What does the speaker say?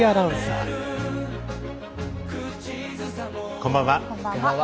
こんばんは。